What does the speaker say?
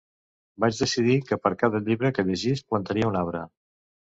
Vaig decidir que per cada llibre que llegís plantaria un arbre.